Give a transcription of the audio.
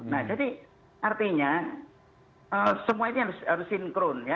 nah jadi artinya semua ini harus sinkron ya